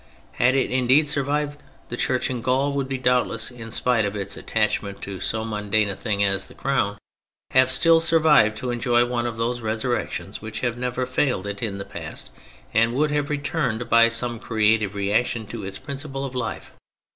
Had it indeed survived, the Church in Gaul would doubtless, in spite of its attachment to so mundane a thing as the crown, have still survived to enjoy one of those resurrections which have never failed it in the past, and would have returned, by some creative reaction, to its principle of life.